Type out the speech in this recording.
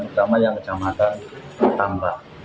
pertama yang kejamatan tampak